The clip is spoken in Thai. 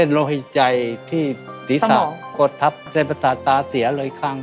เพราะแผลของมันยังไม่หายหรือยัง